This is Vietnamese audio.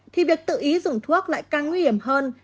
thì việc tự ý dùng thuốc lại càng nguy hiểm hơn